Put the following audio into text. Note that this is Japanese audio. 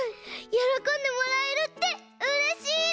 よろこんでもらえるってうれしいね！